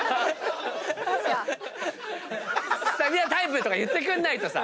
スタミナタイプとか言ってくんないとさ。